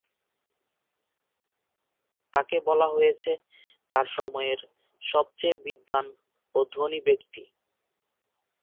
তাকে বলা হয়েছে তার সময়ের সবচেয়ে বিদ্বান ও ধনী ব্যক্তি।